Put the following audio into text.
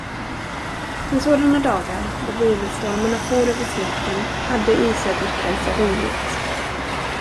Men sådana dagar, då virvelstormarna for över slätten, hade Ysätters-Kajsa roligt.